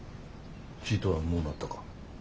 ちぃとは上手うなったか？